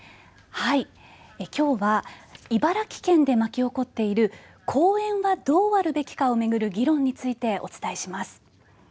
きょうは茨城県で巻き起こっている公園はどうあるべきかを巡る議論についてお伝えします。